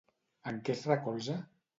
En què es recolza?